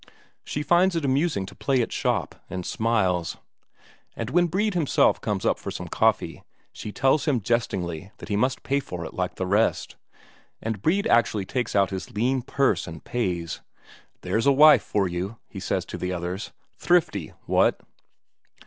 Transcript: She finds it amusing to play at shop, and smiles; and when Brede himself comes up for some coffee, she tells him jestingly that he must pay for it like the rest. And Brede actually takes out his lean purse and pays. "There's a wife for you," he says to the others. "Thrifty, what?"